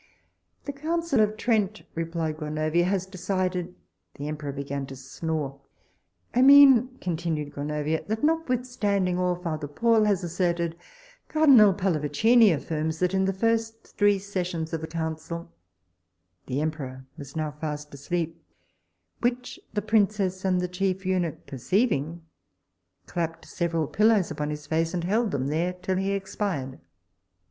The council of Trent, replied Gronovia, has decided the emperor began to snore I mean, continued Gronovia, that notwithstanding all father Paul has asserted, cardinal Palavicini affirms that in the three first sessions of that council the emperor was now fast asleep, which the princess and the chief eunuch perceiving, clapped several pillows upon his face, and held them there till he expired.